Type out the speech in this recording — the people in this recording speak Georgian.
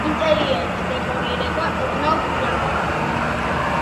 ინტერიერის დეკორირება ოდნავ გვიანდელია.